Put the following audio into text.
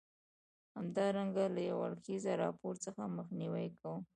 همدارنګه له یو اړخیز راپور څخه مخنیوی کوم.